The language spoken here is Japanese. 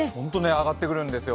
上がってくるんですよ。